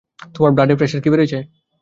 তোমার blood pressure কি বেড়েছে?